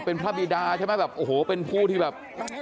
เป็นพระบิดาใช่ไหมแบบโอ้โหเป็นผู้ที่แบบ